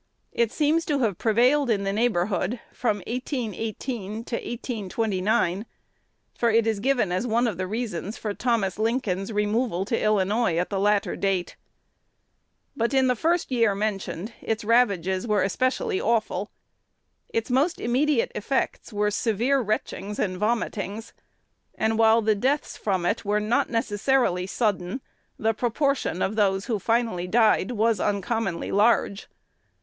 It seems to have prevailed in the neighborhood from 1818 to 1829; for it is given as one of the reasons for Thomas Lincoln's removal to Illinois at the latter date. But in the year first mentioned its ravages were especially awful. Its most immediate effects were severe retchings and vomitings; and, while the deaths from it were not necessarily sudden, the proportion of those who finally died was uncommonly large.